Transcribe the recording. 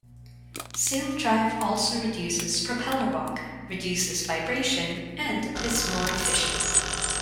Saildrive also reduces propeller walk, reduces vibration, and is more efficient.